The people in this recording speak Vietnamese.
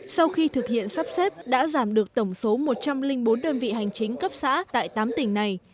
sau khi thực hiện sắp xếp đã giảm được tổng số một trăm linh bốn đơn vị hành chính cấp xã tại tám tỉnh này